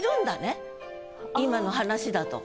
今の話だと。